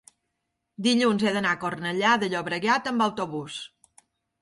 dilluns he d'anar a Cornellà de Llobregat amb autobús.